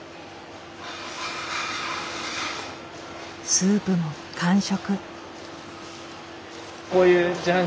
スープも完食。